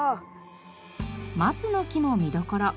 松の木も見どころ。